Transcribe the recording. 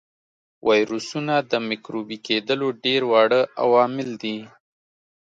ویروسونه د مکروبي کېدلو ډېر واړه عوامل دي.